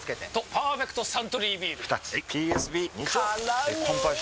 ＰＳＢ「パーフェクトサントリービール」